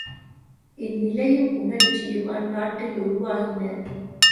இந்நிலையும் உணர்ச்சியும் அந்நாட்டில் உருவாயின.